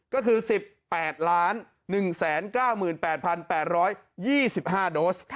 ก็คือ๑๘๑๙๘๘๒๕โดส